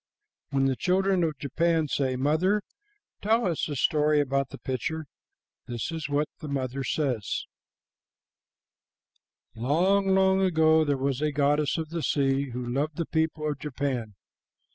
When the children of Japan say, "Mother, tell us a story about the picture," this is what the mother says: "Long, long ago there was a goddess of the sea who loved the people of Japan.